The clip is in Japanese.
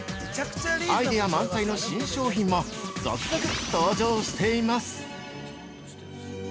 アイデア満載の新商品も続々登場しています。